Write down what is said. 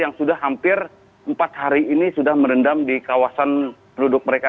yang sudah hampir empat hari ini sudah merendam di kawasan penduduk mereka